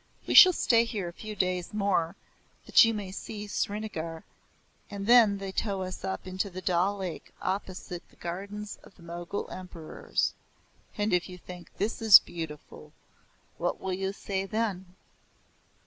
"We shall stay here a few days more that you may see Srinagar, and then they tow us up into the Dal Lake opposite the Gardens of the Mogul Emperors. And if you think this beautiful what will you say then?"